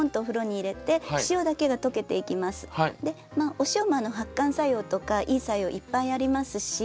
お塩も発汗作用とかいい作用いっぱいありますし